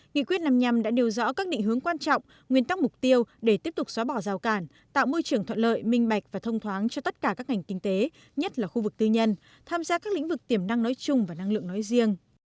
nghị quyết năm mươi năm đã điều rõ các định hướng quan trọng nguyên tắc mục tiêu để tiếp tục xóa bỏ rào cản tạo môi trường thuận lợi minh bạch và thông thoáng cho tất cả các ngành kinh tế nhất là khu vực tư nhân tham gia các lĩnh vực tiềm năng nói chung và năng lượng nói riêng